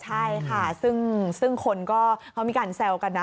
ใช่ค่ะซึ่งคนก็เขามีการแซวกันนะ